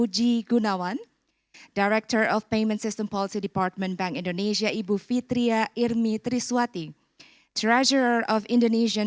dihubungkan oleh bank indonesia indonesia